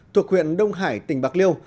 thuộc huyện đông hải tỉnh bạc liêu